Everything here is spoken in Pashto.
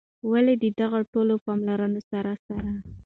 ولي د دغو ټولو پاملرونو سره سره